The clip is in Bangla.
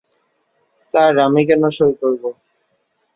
স্যার, আমি কেন সঁই করব?